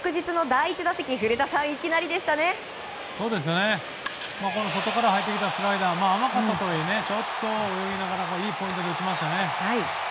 外から入ってきたスライダー甘かったとはいえちょっと泳ぎながらいいポイントで打ちましたね。